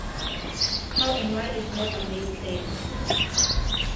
How and why is never made clear.